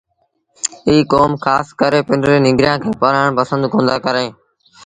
ايٚ ڪوم کآس ڪري پنڊري ننگريآݩ کي پڙهآڻ پسند ڪوندآ ڪريݩ